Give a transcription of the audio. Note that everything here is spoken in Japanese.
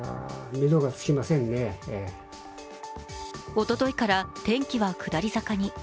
おとといから天気は下り坂に。